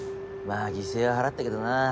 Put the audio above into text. まあ犠牲は払ったけどなぁ。